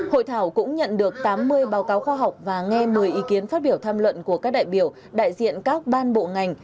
hội thảo cũng nhận được tám mươi báo cáo khoa học và nghe một mươi ý kiến phát biểu tham luận của các đại biểu đại diện các ban bộ ngành